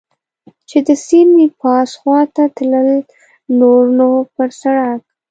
چې د سیند پاس خوا ته تلل، نور نو پر سړک.